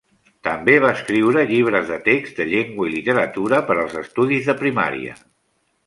També va escriure llibres de text de llengua i literatura per als estudis de primària.